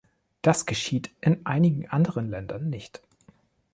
Das geschieht in einigen anderen Ländern nicht.